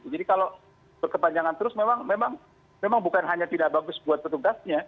jadi kalau berkepanjangan terus memang bukan hanya tidak bagus buat petugasnya